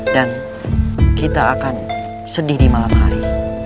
dan kita akan sedih di malam hari